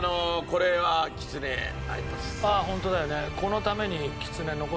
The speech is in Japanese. ホントだよね。